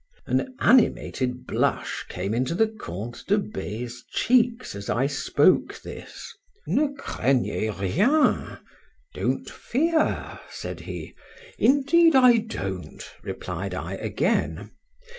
An animated blush came into the Count de B—'s cheeks as I spoke this.—Ne craignez rien—Don't fear, said he.—Indeed, I don't, replied I again.